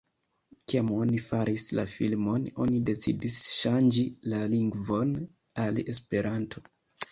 Kiam oni faris la filmon, oni decidis ŝanĝi la lingvon al Esperanto.